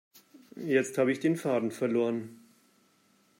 Jetzt habe ich den Faden verloren.